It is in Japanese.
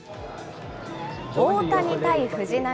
大谷対藤浪。